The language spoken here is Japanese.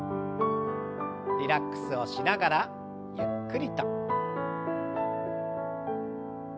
リラックスをしながらゆっくりと。